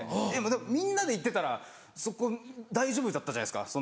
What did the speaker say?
でもみんなで行ってたらそこ大丈夫だったじゃないですか。